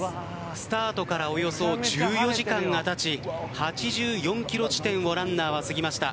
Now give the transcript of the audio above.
スタートからおよそ１４時間が経ち８４ｋｍ地点をランナーは過ぎました。